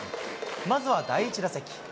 まずは第１打席。